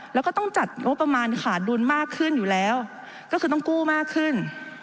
แล้วก็ต้องจัดงบประมาณขาดดุลมากขึ้นอยู่แล้วก็คือต้องกู้มากขึ้น